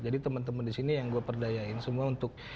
jadi teman teman di sini yang gue perdayain semua untuk